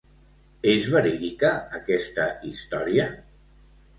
És verídica aquesta història?